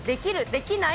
できない？